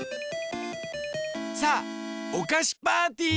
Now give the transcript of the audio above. さあおかしパーティー！